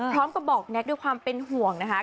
พร้อมกับบอกแน็กด้วยความเป็นห่วงนะคะ